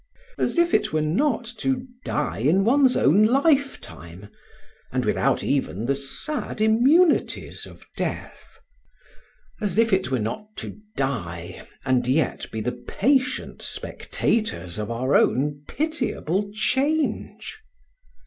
As if it were not to die in one's own lifetime, and without even the sad immunities of death! As if it were not to die, and yet be the patient spectators of our own pitiable change!